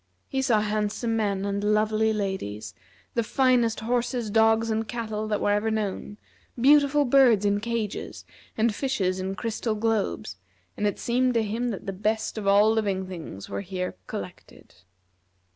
He saw handsome men and lovely ladies; the finest horses, dogs, and cattle that were ever known; beautiful birds in cages, and fishes in crystal globes, and it seemed to him that the best of all living things were here collected.